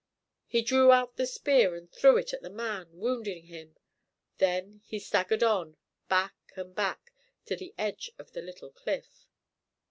He drew out the spear and threw it at the man, wounding him. Then he staggered on, back and back, to the edge of the little cliff.